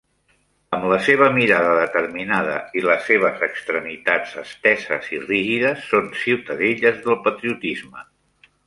Amb la seva mirada determinada i les seves extremitats esteses i rígides, són ciutadelles del patriotisme.